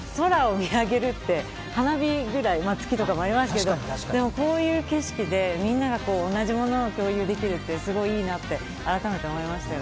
空を見上げるって、花火ぐらい、月もありますけど、こういう景色でみんなが同じものを共有できるって、すごいいいなって改めて思いました。